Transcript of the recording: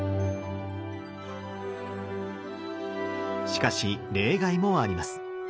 しかし例外もあります。